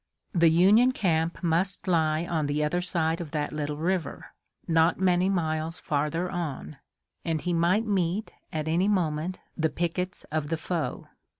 The Union camp must lie on the other side of that little river, not many miles farther on, and he might meet, at any moment, the pickets of the foe.